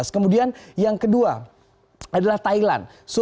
kemudian yang kedua adalah thailand